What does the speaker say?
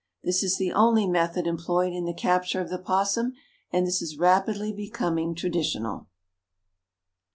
This is the only method employed in the capture of the opossum, and this is rapidly becoming traditional."